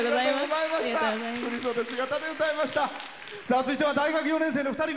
続いては大学４年生の２人組。